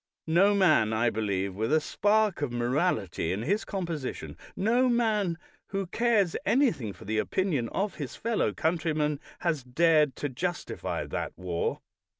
No man, I believe, with a spark of morality in his composition, no man who cares anything for the opinion of his fellow countrymen, has dared to justify that war.